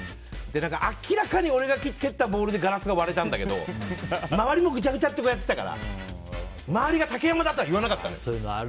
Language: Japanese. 明らかに俺が蹴ったボールでガラスが割れたんだけど、周りもぐちゃぐちゃやってたから周りが竹山だ！とは言わなかったんですよ。